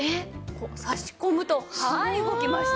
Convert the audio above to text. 差し込むとはい動きました。